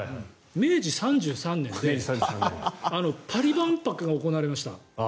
明治３３年でパリ万博が行われましたよ。